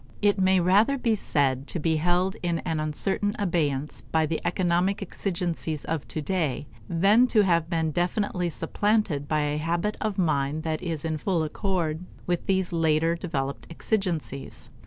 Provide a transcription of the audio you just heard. It may rather be said to be held in an uncertain abeyance by the economic exigencies of today, than to have been definitely supplanted by a habit of mind that is in full accord with these later developed exigencies.